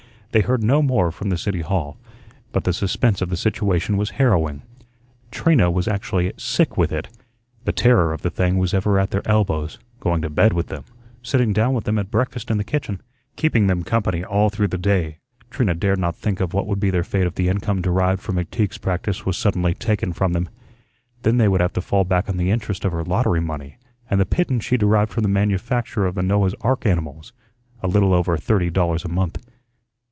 They heard no more from the City Hall, but the suspense of the situation was harrowing. Trina was actually sick with it. The terror of the thing was ever at their elbows, going to bed with them, sitting down with them at breakfast in the kitchen, keeping them company all through the day. Trina dared not think of what would be their fate if the income derived from McTeague's practice was suddenly taken from them. Then they would have to fall back on the interest of her lottery money and the pittance she derived from the manufacture of the Noah's ark animals, a little over thirty dollars a month.